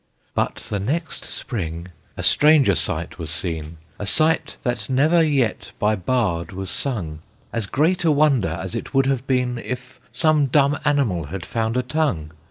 But the next Spring a stranger sight was seen, A sight that never yet by bard was sung, As great a wonder as it would have been If some dumb animal had found a tongue!